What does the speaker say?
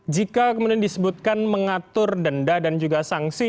jika kemudian disebutkan mengatur denda dan juga sanksi